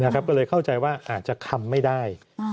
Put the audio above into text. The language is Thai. ก็เลยเข้าใจว่าอาจจะคำไม่ได้